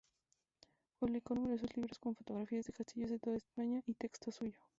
Publicó numerosos libros con fotografías de castillos de toda España y texto suyo.